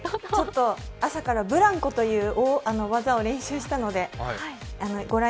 朝からブランコという技を練習したので御覧